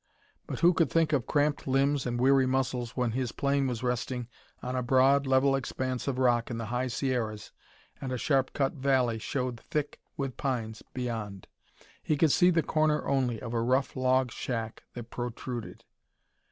But who could think of cramped limbs and weary muscles when his plane was resting on a broad, level expanse of rock in the high Sierras and a sharp cut valley showed thick with pines beyond. He could see the corner only of a rough log shack that protruded.